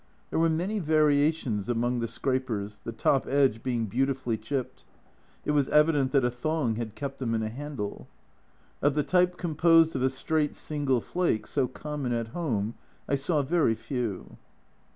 There were many variations among the scrapers, the top edge being beautifully chipped ; it was evident that a thong had kept them in a handle. Of the type composed of a straight single flake, so common at home, I saw very few.